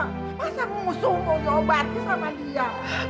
masa mau sungguh obatnya sama dia